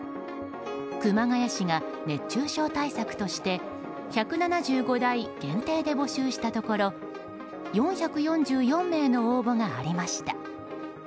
熊谷市が熱中症対策として１７５台限定で募集したところ４４４名の応募がありました。